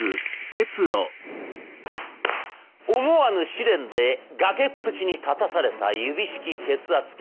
思わぬ試練で崖っぷちに立たされた指式血圧計。